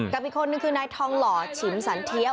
กับอีกคนนึงคือนายทองหล่อฉิมสันเทีย